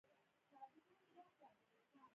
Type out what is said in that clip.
اساسي قانون هر اړخیز قانون دی.